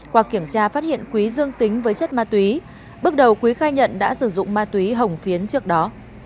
qua kiểm tra phát hiện quý dương tính với chất ma túy bước đầu quý khai nhận đã sử dụng ma túy hồng phiến trước đó